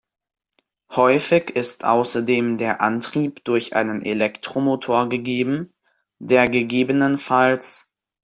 Häufig ist außerdem der Antrieb durch einen Elektromotor gegeben, der ggf.